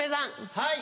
はい。